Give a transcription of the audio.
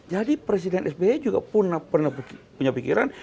jadi presiden sbe juga pernah punya pikiran